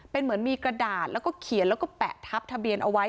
เป็นเหมือนมีกระดาษแล้วก็เขียนแล้วก็แปะทับทะเบียนเอาไว้